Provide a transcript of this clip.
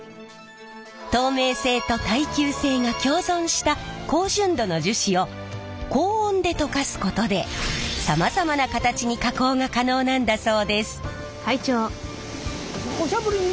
透明性と耐久性が共存した高純度の樹脂を高温で溶かすことでさまざまな形に加工が可能なんだそうです！